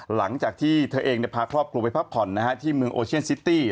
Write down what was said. หลังจากที่เธอเองพาครอบครัวไปพักผ่อนที่เมืองโอเชียนซิตี้